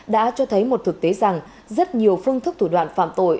đã cho thấy một thực tế rằng rất nhiều phương thức thủ đoạn phạm tội